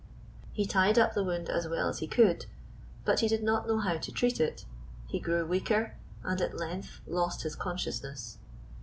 He tied up the wound as well as he could, but he did not know how to treat it. He grew weaker, and at length lost his consciousness.